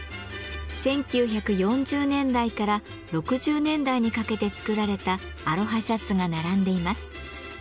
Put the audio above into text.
１９４０年代から６０年代にかけて作られたアロハシャツが並んでいます。